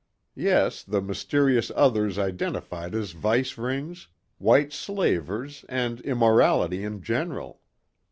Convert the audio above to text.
Yes, the mysterious others identified as vice rings, white slavers and immorality in general.